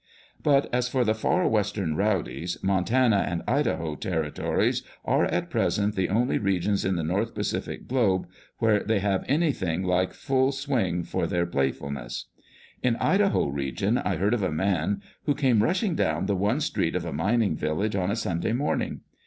But as for the Far Western rowdies, Montana and Idaho territories are at present the only regions in the North Pacific globe where they have anything like full swing for their playful ness. In Idaho region, I heard of a man who came rushing down the one street of a mining village on a Sunday morning.